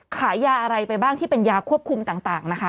ขายยาอะไรไปบ้างที่เป็นยาควบคุมต่างนะคะ